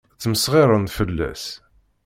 Ttmesxiṛen fell-as.